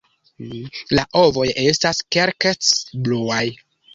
La ovoj estas kalkec-bluaj.